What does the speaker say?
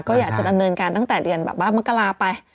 ก็อยากจะดำเนินการตั้งแต่เดือนแบบว่ามกราไป